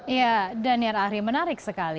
ya daniar ahri menarik sekali